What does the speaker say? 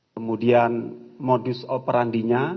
kemudian modus operandinya